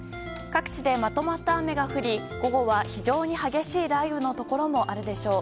各地でまとまった雨となり午後は非常に激しい雷雨のところもあるでしょう。